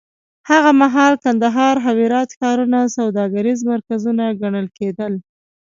هغه مهال کندهار او هرات ښارونه سوداګریز مرکزونه ګڼل کېدل.